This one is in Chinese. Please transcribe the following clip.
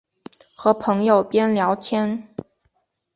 和朋友边聊天